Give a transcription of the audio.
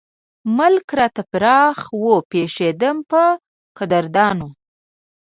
ملک راته فراخ وو پېښېدم پۀ قدردانو